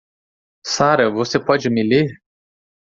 Sara você pode me ler?